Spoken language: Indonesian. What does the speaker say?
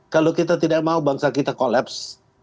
kalau kita tidak mau bangsa kita kolaps